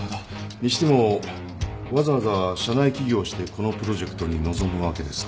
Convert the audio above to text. にしてもわざわざ社内起業してこのプロジェクトに臨むわけですか。